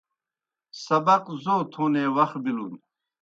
سبق زو تھونے وخ بِلُن۔